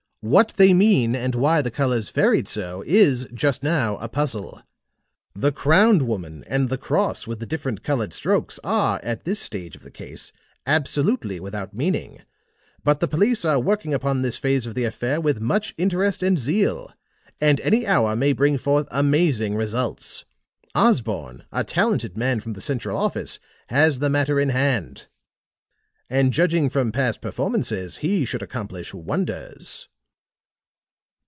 What they mean and why the colors varied so is just now a puzzle. The crowned woman and the cross with the different colored strokes are at this stage of the case absolutely without meaning. But the police are working upon this phase of the affair with much interest and zeal; and any hour may bring forth amazing results. Osborne, a talented man from the central office, has the matter in hand; and judging from past performances, he should accomplish wonders."